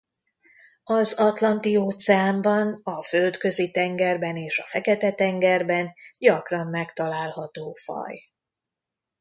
Az Atlanti-óceánban a Földközi-tengerben és a Fekete-tengerben gyakran megtalálható faj.